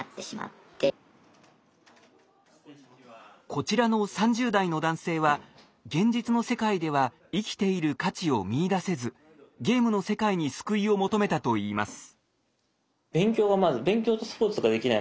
こちらの３０代の男性は現実の世界では生きている価値を見いだせずゲームの世界に救いを求めたといいます。